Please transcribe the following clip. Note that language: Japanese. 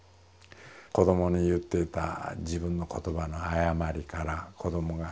子どもに言っていた自分の言葉の誤りから子どもが死ぬ。